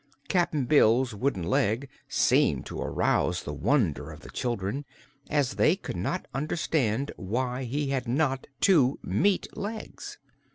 Cap'n Bill's wooden leg seemed to arouse the wonder of the children, as they could not understand why he had not two meat legs.